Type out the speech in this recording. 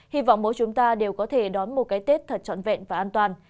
hy vọng mỗi chúng ta đều có thể đón một cái tết thật trọn vẹn và an toàn